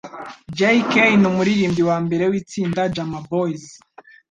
J Kay numuririmbyi wambere witsinda Jama boys